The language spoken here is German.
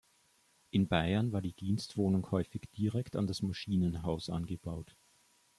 In Bayern war die Dienstwohnung häufig direkt an das Maschinenhaus angebaut.